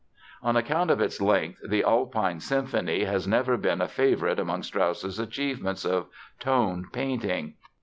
On account of its length the "Alpine Symphony" has never been a favorite among Strauss's achievements of tone painting.